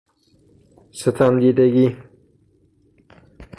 ستم دیدگی